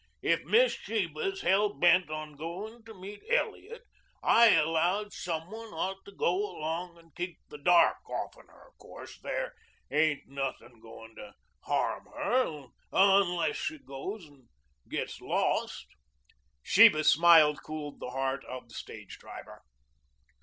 If Miss Sheba's hell bent on goin' to meet Elliot, I allowed some one ought to go along and keep the dark offen her. 'Course there ain't nothin' going to harm her, unless she goes and gets lost " Sheba's smile cooled the heat of the stage driver.